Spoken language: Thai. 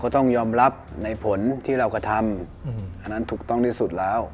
ต้องยอมรับในผลที่เรากระทำอันนั้นถูกต้องที่สุดแล้ว